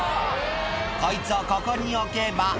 こいつをここに置けば。